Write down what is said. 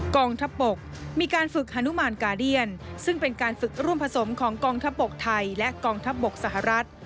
กองทัพบกมีการฝึกฮานุมานกาเดียนซึ่งเป็นการฝึกร่วมผสมของกองทัพบกไทยและกองทัพบกสหรัฐ